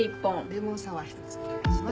レモンサワー１つお願いします。